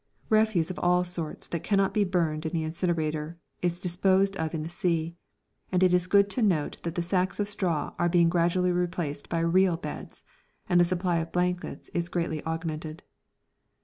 Refuse of all sorts that cannot be burned in the incinerator is disposed of in the sea, and it is good to note that the sacks of straw are being gradually replaced by real beds and the supply of blankets is greatly augmented.